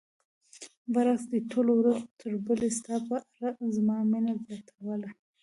برعکس دې ټولو ورځ تر بلې ستا په اړه زما مینه زیاتوله.